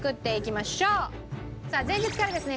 さあ前日からですね